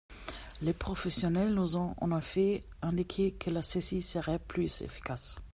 Les professionnels nous ont en effet indiqué que la saisie serait plus efficace.